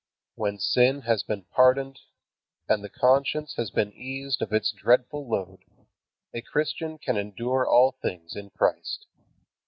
When sin has been pardoned, and the conscience has been eased of its dreadful load, a Christian can endure all things in Christ.